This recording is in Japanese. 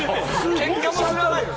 結果、知らないの？